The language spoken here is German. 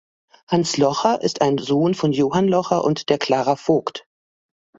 Hans Locher ist ein Sohn von Johann Locher und der Clara Vogt.